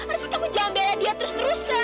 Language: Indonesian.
maksud kamu jangan belah dia terus terusan